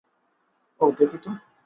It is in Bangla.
ওহ, দেখি তো।